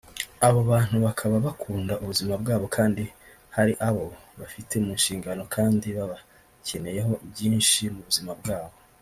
Abo bantu bakaba bakunda ubuzima bwabo kandi hari abo bafite mu nshingano kandi babakeneyeho byinshi mu buzima bwabo